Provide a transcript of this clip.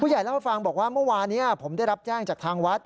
ใหญ่เล่าให้ฟังบอกว่าเมื่อวานี้ผมได้รับแจ้งจากทางวัด